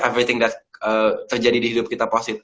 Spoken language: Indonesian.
everything that terjadi di hidup kita positif